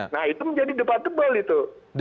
nah itu menjadi debatable itu